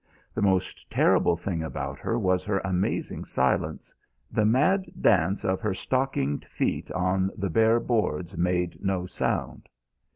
The most terrible thing about her was her amazing silence; the mad dance of her stockinged feet on the bare boards made no sound.